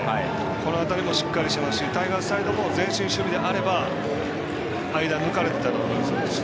この辺りもしっかりしてますしタイガースサイドも前進守備であれば間、抜かれてたと思います。